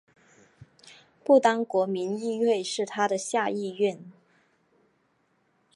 不丹国民议会是它的下议院。